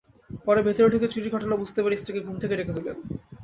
পরে ভেতরে ঢুকে চুরির ঘটনা বুঝতে পেরে স্ত্রীকে ঘুম থেকে ডেকে তোলেন।